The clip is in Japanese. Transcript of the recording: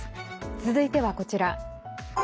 続いてはこちら。